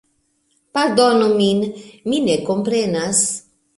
Pardonu min, mi ne komprenas